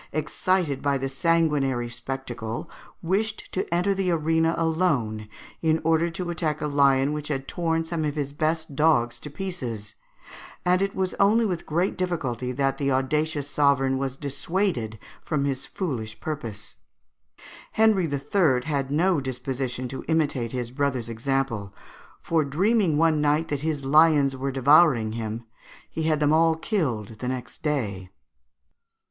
excited by the sanguinary spectacle, wished to enter the arena alone in order to attack a lion which had torn some of his best dogs to pieces, and it was only with great difficulty that the audacious sovereign was dissuaded from his foolish purpose. Henry III. had no disposition to imitate his brother's example; for dreaming one night that his lions were devouring him, he had them all killed the next day.